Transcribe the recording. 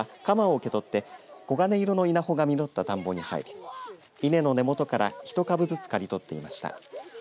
子どもたちは、鎌を受け取って黄金色の稲穂に実った田んぼに入り稲の根元から１株ずつ刈り取っていました。